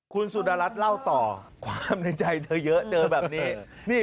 คุณสุดารัฐเล่าต่อความในใจเธอเยอะเจอแบบนี้